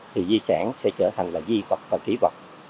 thì di sản sẽ trở thành là di vật và trí vật